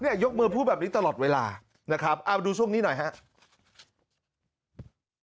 ยกมือพูดแบบนี้ตลอดเวลานะครับเอาดูช่วงนี้หน่อยครับ